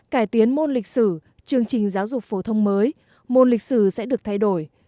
cải tiến môn lịch sử chương trình giáo dục phổ thông mới môn lịch sử sẽ được thay đổi